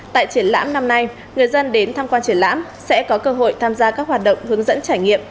tại triển lãm năm nay người dân đến tham quan triển lãm sẽ có cơ hội tham gia các hoạt động hướng dẫn trải nghiệm